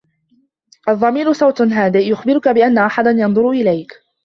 الضمير صوت هادىء.. يخبرك بأن أحداً ينظر إليك.